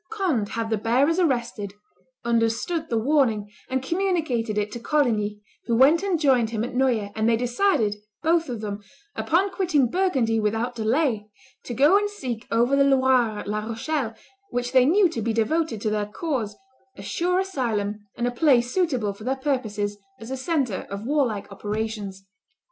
Conde had the bearers arrested, understood the warning, and communicated it to Coligny, who went and joined him at Noyers, and they decided, both of them, upon quitting Burgundy without delay, to go and seek over the Loire at La Rochelle, which they knew to be devoted to their cause, a sure asylum and a place suitable for their purposes as a centre of warlike operations.